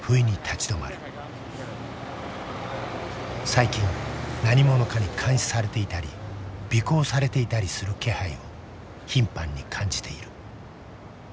最近何者かに監視されていたり尾行されていたりする気配を頻繁に感じている。